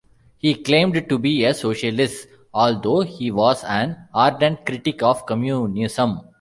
He claimed to be a socialist, although he was an ardent critic of communism.